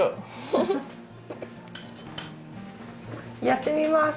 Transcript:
やってみます